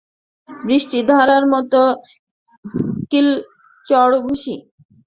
বৃষ্টিধারার মতো কিল চড় ঘুসি।